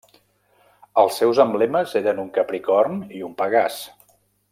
Els seus emblemes eren un capricorn i un pegàs.